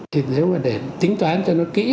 thì nếu mà để tính toán cho nó kỹ